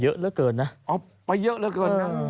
เอาไปเยอะเยอะเกินนะ